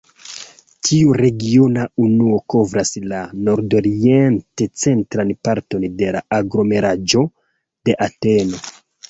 Tiu regiona unuo kovras la nordorient-centran parton de la aglomeraĵo de Ateno.